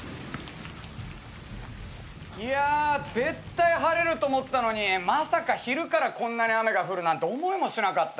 いや絶対晴れると思ったのにまさか昼からこんなに雨が降るなんて思いもしなかったよ。